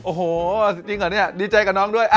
โอ้โหจริงเหรอเนี่ยดีใจกับน้องด้วย